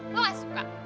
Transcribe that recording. lu gak suka